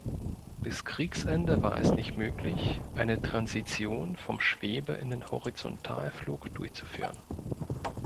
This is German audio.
Bis Kriegsende war es nicht möglich, eine Transition vom Schwebe- in den Horizontalflug durchzuführen.